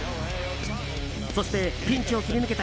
そしてピンチを切り抜けた